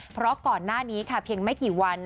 เพราะก่อนหน้านี้ค่ะเพียงไม่กี่วัน